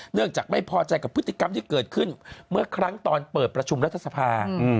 จากไม่พอใจกับพฤติกรรมที่เกิดขึ้นเมื่อครั้งตอนเปิดประชุมรัฐสภา